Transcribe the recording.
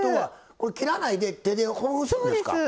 これ切らないで手でほぐすんですか？